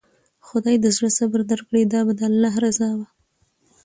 خداى د زړه صبر درکړي، دا به د الله رضا وه.